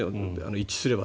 一致すれば。